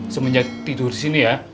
semenjak tidur disini ya